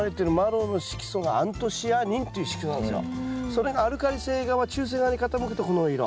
それがアルカリ性側中性側に傾くとこの色。